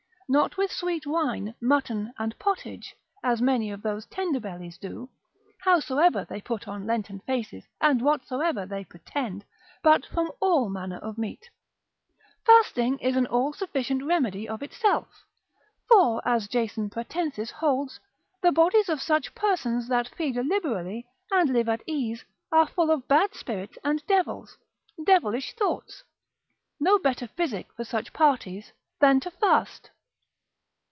Not with sweet wine, mutton and pottage, as many of those tender bellies do, howsoever they put on Lenten faces, and whatsoever they pretend, but from all manner of meat. Fasting is an all sufficient remedy of itself; for, as Jason Pratensis holds, the bodies of such persons that feed liberally, and live at ease, are full of bad spirits and devils, devilish thoughts; no better physic for such parties, than to fast.